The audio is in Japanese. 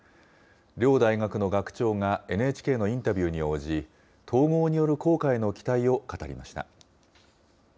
両大学の学長がＮＨＫのインタビューに応じ、統合による効果への期待を語りました。